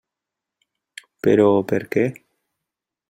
Però, per què?